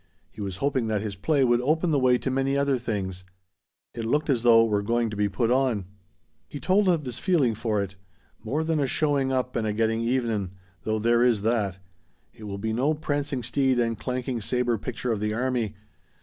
He was hoping that his play would open the way to many other things; it looked as though it were going to be put on. He told of his feeling for it. "More than a showing up and a getting even, though there is that. It will be no prancing steed and clanking saber picture of the army.